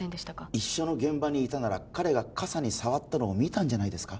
一緒の現場にいたなら彼が傘に触ったの見たんじゃないですか？